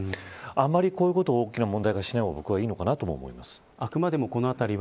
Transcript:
あまりこういうことを大きな問題化しない方がいいかもしれません。